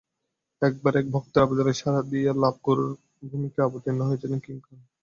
একবার এক ভক্তের আবেদনে সাড়া দিয়ে লাভগুরুর ভূমিকায় অবতীর্ণ হয়েছিলেন কিং খান।